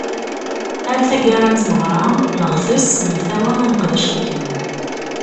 Ar taggara n tmeɣra, neɣtes, nemtawa ad neqdec akken.